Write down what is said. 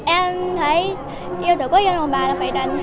em thấy yêu tử quốc gia đồng bà là phải đành